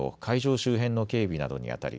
周辺の警備などにあたり